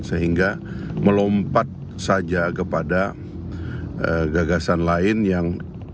sehingga melompat saja kepada gagasan lain yang